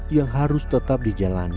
yang harus tetap dijalani